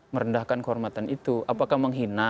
merendahkan kehormatan itu apakah menghina